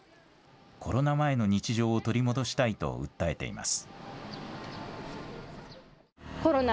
コロナ前の日常を取り戻したいと訴えています。